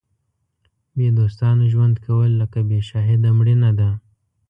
بې دوستانو ژوند کول لکه بې شاهده مړینه ده.